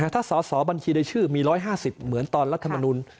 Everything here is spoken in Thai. ถ้าสอสอบัญชีในชื่อมี๑๕๐เหมือนตอนรัฐมนุน